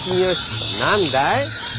何だい？